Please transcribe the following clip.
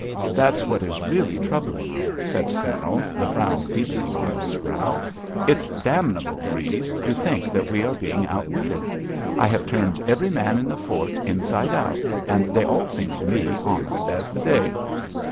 "That's what is really troubling me," said the Colonel, the frown deepening on his brow. "It's damnable, Grieves, to think that we are being outwitted. I have turned every man in the fort inside out, and they all seem to me honest as the day."